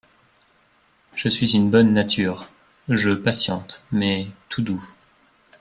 Je suis une bonne nature, Je patiente, mais… tout doux !